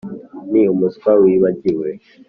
ni umuswa wibagiwe.